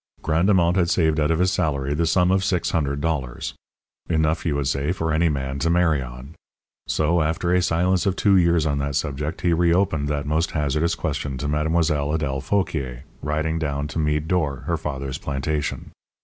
Grandemont had saved out of his salary the sum of six hundred dollars. Enough, you would say, for any man to marry on. So, after a silence of two years on that subject, he reopened that most hazardous question to Mlle. Adèle Fauquier, riding down to Meade d'Or, her father's plantation.